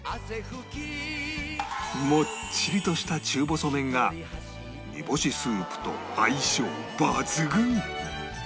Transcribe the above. もっちりとした中細麺が煮干しスープと相性抜群！